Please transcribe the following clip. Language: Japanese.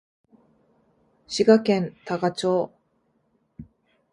滋賀県多賀町